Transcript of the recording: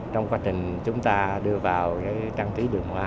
trong quá trình chúng ta đưa vào trang trí đường hóa